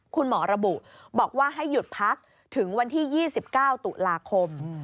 คุณหมอระบุบอกว่าให้หยุดพักถึงวันที่๒๙ตุลาคม